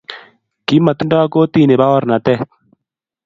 kimatindo kortini baorenattet